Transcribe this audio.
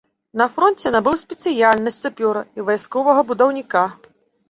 На фронце набыў спецыяльнасць сапёра і вайсковага будаўніка.